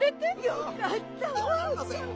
よかったぜ。